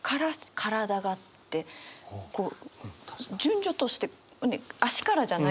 こう順序として足からじゃない。